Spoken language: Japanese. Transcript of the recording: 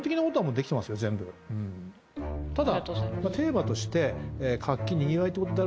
ただ。